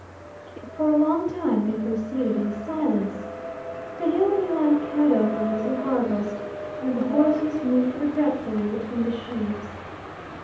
For a long time they proceeded in silence. The hill behind Cadover was in harvest, and the horses moved regretfully between the sheaves.